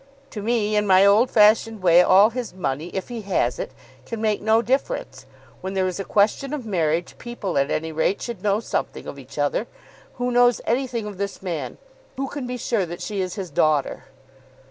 To me, in my old fashioned way, all his money, if he has it, can make no difference. When there is a question of marriage people at any rate should know something of each other. Who knows anything of this man? Who can be sure that she is his daughter?"